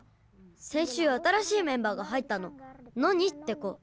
先週新しいメンバーが入ったのノニって子。